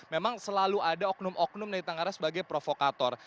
memang selalu ada oknum oknum yang ditengah raih sebagai provokator